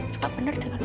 suka bener dengan lo